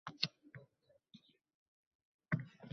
Xo‘janddan Toshkentga avtobuslar har kuni qatnaydi